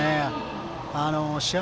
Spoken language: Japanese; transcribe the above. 試合